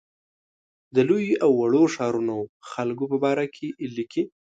د لویو او وړو ښارونو خلکو په باره کې لیکي.